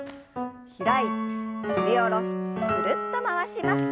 開いて振り下ろしてぐるっと回します。